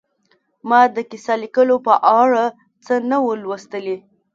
ما د کیسه لیکلو په اړه څه نه وو لوستي